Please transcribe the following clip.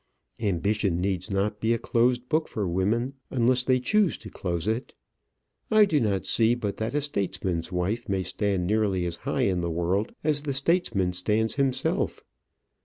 Ambition needs not be a closed book for women, unless they choose to close it. I do not see but that a statesman's wife may stand nearly as high in the world as the statesman stands himself.